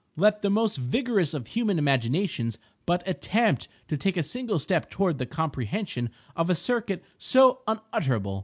Let the most vigorous of human imaginations but attempt to take a single step toward the comprehension of a circuit so unutterable!